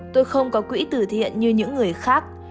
tôi không có quỹ tử thiện như những người khác